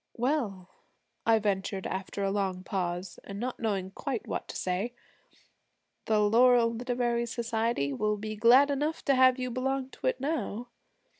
'Well,' I ventured after a long pause, and not knowing quite what to say, 'the Laurel Literary Society will be glad enough to have you belong to it now.'